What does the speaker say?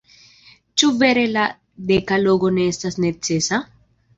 Ĉu vere la dekalogo ne estas necesa?